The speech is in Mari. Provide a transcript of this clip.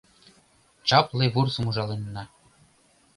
Чапле вурсым ужаленна